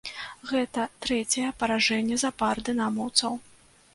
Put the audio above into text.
Гэта трэцяе паражэнне запар дынамаўцаў.